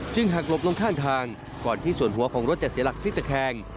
หักหลบลงข้างทางก่อนที่ส่วนหัวของรถจะเสียหลักพลิกตะแคง